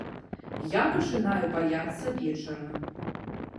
Я пачынаю баяцца вечара.